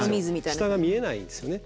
下が見えないんですね。